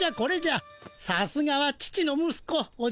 さすがは父の息子おじゃる丸よの。